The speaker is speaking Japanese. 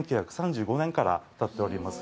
１９３５年から建っております。